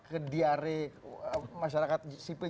ke diare masyarakat sipil